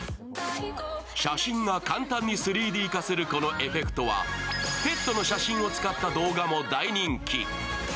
写真が簡単に３Ｄ化するこのエフェクトは、ペットの写真を使った動画も大人気。